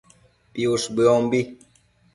piush bëombi